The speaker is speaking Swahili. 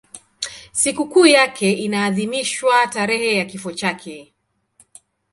Sikukuu yake inaadhimishwa tarehe ya kifo chake.